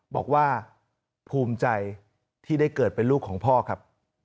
บอกว่าภูมิใจที่ได้เกิดเป็นลูกของพ่อครับ